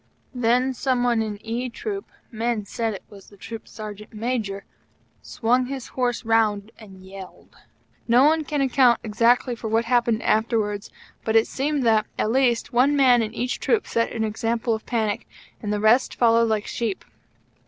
Then some one in E troop men said it was the Troop Sergeant Major swung his horse round and yelled. No one can account exactly for what happened afterwards; but it seems that, at least, one man in each troop set an example of panic, and the rest followed like sheep.